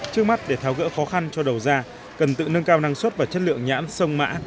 trước mắt để tháo gỡ khó khăn cho đầu ra cần tự nâng cao năng suất và chất lượng nhãn sông mã